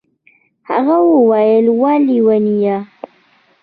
هغه وويل وه ليونيه.